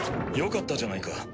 よかったじゃないか。